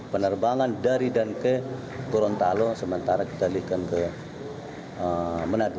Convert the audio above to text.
penerbangan dari dan ke gorontalo sementara kita alihkan ke manado